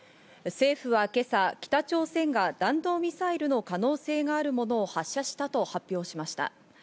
政府は今朝、北朝鮮が弾道ミサイルの可能性があるものを発射したと発表しました。